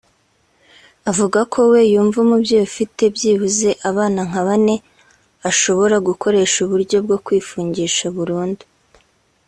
Avuga ko we yumva umubyeyi ufite byibuze abana nka bane ashobora gukoresha uburyo bwo kwifungisha burundu